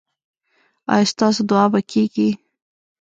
ایا ستاسو دعا به کیږي؟